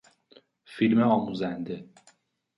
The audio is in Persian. فیلم آموزنده